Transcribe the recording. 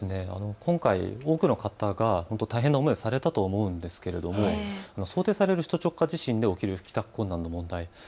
今回、多くの方が大変な思いをされたと思うのですが想定される首都直下地震で起きる帰宅困難の問題。